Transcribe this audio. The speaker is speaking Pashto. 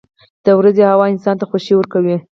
• د ورځې هوا انسان ته خوښي ورکوي.